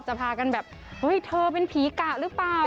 พากันแบบเฮ้ยเธอเป็นผีกะหรือเปล่า